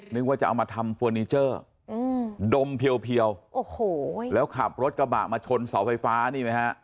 นึกว่าจะเอามาทำเฟอร์นิเจอร์ดมเพียวโอ้โหแล้วขับรถกระบะมาชนเสาไฟฟ้านี่ไหมฮะ